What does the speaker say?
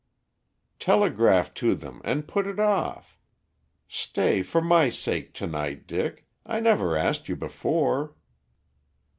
"Telegraph to them and put it off. Stay for my sake to night, Dick. I never asked you before."